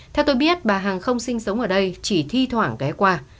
theo tôi biết bà hằng không sinh sống ở đây chỉ thi thoảng ghé qua